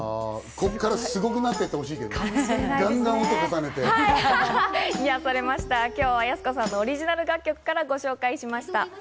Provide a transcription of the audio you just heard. ここからすごくなっていって今日は、やす子さんのオリジナル楽曲からご紹介しました。